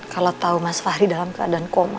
kalau tahu mas fahri dalam keadaan koma